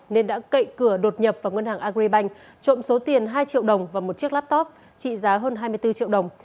nên đã cậy cửa đột nhập vào ngân hàng agribank trộm số tiền hai triệu đồng và một chiếc laptop trị giá hơn hai mươi bốn triệu đồng